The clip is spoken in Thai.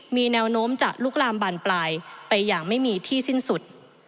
มีแนวโน้มจะลุกลามบานปลายไปอย่างไม่มีที่สิ้นสุด